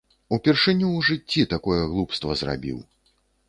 Упершыню ў жыцці такое глупства зрабіў.